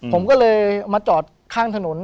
ผมก็เลยมาจอดข้างถนน